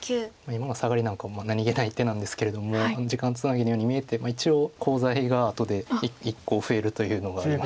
今のサガリなんかも何気ない手なんですけれども時間つなぎのように見えて一応コウ材が後で１コウ増えるというのがありまして。